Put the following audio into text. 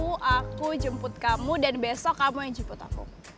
nih sesuai janji aku aku jemput kamu dan besok kamu yang jemput aku